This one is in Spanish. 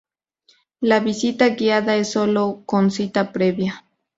La visita guiada es sólo con cita previa.